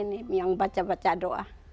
ada tamu tamu yang baca baca doa